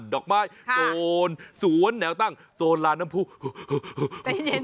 สุดยอดน้ำมันเครื่องจากญี่ปุ่น